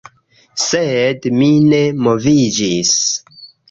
Sed mi ne moviĝis.